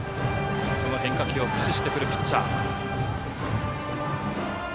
変化球を駆使してくるピッチャー。